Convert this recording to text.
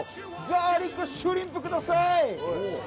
ガーリックシュリンプください！